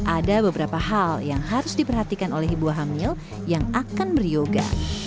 ada beberapa hal yang harus diperhatikan oleh ibu hamil yang akan beryoga